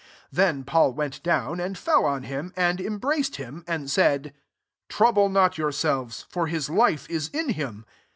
10 Then Paul went down, and fell on him, and embraced him^ and said, " Trouble not yourselves; for his life is in him."